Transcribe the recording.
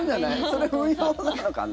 それ、運用なのかな？